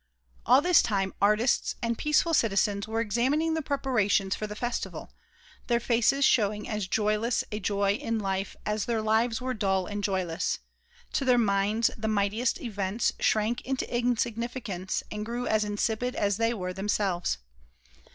All this time artists and peaceful citizens were examining the preparations for the festival, their faces showing as joyless a joy in life as their lives were dull and joyless; to their minds the mightiest events shrank into insignificance and grew as insipid as they were themselves.